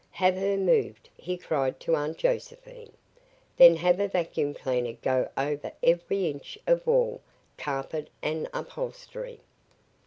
"Have her moved," he cried to Aunt Josephine. "Then have a vacuum cleaner go over every inch of wall, carpet and upholstery."